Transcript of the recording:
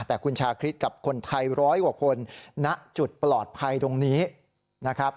แต่คุณชาคริสกับคนไทยร้อยกว่าคนณจุดปลอดภัยตรงนี้นะครับ